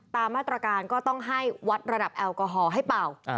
ตามมาตรการก็ต้องให้วัดระดับแอลกอฮอล์ให้เป่า